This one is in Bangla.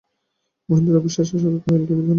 মহেন্দ্র অবিশ্বাসের স্বরে কহিল, তুমি জান না?